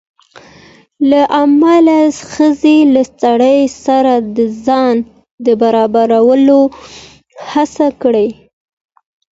له امله ښځې له سړي سره د ځان د برابرولو هڅه کړې